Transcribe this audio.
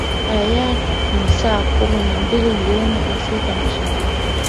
ayari ni saa kumi na mbili jioni afrika mashariki